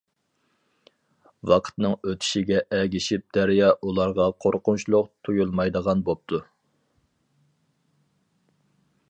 ۋاقىتنىڭ ئۆتۈشىگە ئەگىشىپ دەريا ئۇلارغا قورقۇنچلۇق تۇيۇلمايدىغان بوپتۇ.